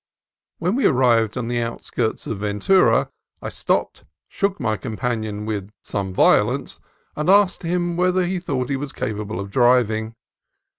When we arrived at the outskirts of Ventura, I stopped, shook my companion with some violence, and asked him whether he thought he was capable of driving.